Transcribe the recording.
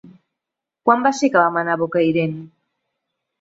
Quan va ser que vam anar a Bocairent?